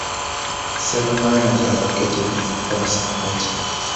Several marinas are located in Ponce Inlet.